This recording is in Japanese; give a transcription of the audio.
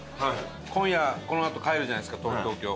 今夜このあと帰るじゃないですか東京。